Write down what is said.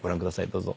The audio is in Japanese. どうぞ。